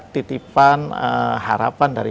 titipan harapan dari